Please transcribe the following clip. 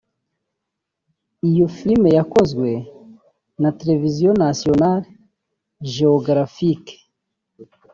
Iyo filime yakozwe na televiziyo National Geographic